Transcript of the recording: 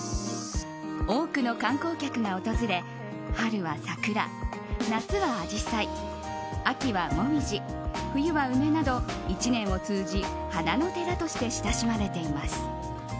多くの観光客が訪れ春は桜、夏はアジサイ秋は紅葉、冬は梅など１年を通じ花の寺として親しまれています。